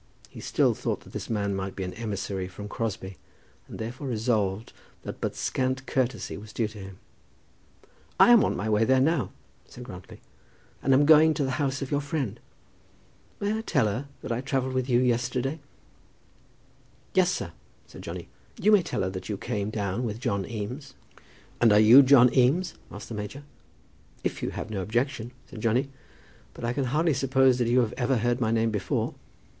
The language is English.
He still thought that this man might be an emissary from Crosbie, and therefore resolved that but scant courtesy was due to him. "I am on my way there now," said Grantly, "and am going to the house of your friend. May I tell her that I travelled with you yesterday?" "Yes, sir," said Johnny. "You may tell her that you came down with John Eames." "And are you John Eames?" asked the major. "If you have no objection," said Johnny. "But I can hardly suppose you have ever heard my name before?"